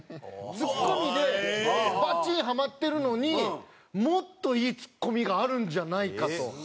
ツッコミでバチンハマってるのにもっといいツッコミがあるんじゃないかと。